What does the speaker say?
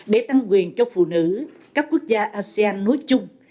để tăng quyền cho phụ nữ các quốc gia asean nối chung